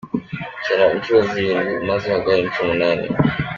Icara inshuro Zirindwi maze uhagarare inshuro umunani.